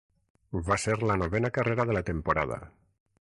Va ser la novena carrera de la temporada.